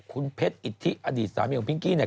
คุณเพชรอิทธิอดีตสามีของพิงกี้เนี่ย